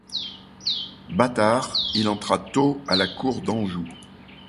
Bâtard, iI entra tôt à la cour d'Anjou.